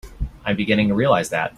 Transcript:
I'm beginning to realize that.